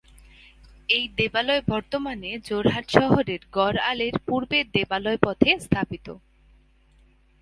এই দেবালয় বর্তমানে যোরহাট শহরের গড় আলির পূর্বে দেবালয় পথে স্থাপিত।